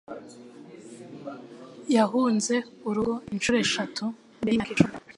Yahunze urugo inshuro eshatu mbere yimyaka icumi.